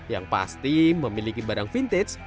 yang pasti memiliki barang vintage